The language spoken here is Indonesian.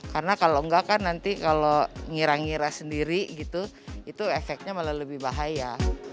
karena kalau enggak kan nanti kalau ngira ngira sendiri gitu itu efeknya malah lebih bahaya